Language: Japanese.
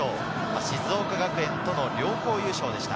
静岡学園との両校優勝でした。